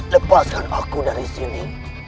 lepaskan aku dari sini